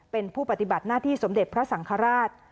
เป็นผู้ปฏิบัติหน้าที่สมเด็จพระสังฆราช